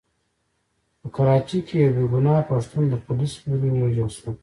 په کراچۍ کې يو بې ګناه پښتون د پوليسو له لوري ووژل شو.